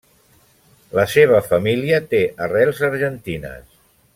La seva família té arrels argentines.